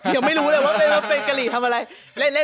ยังไม่รู้เลยว่าเป็นกะหรี่ทำอะไร